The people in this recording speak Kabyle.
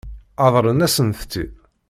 Ṛeḍlen-asent-t-id?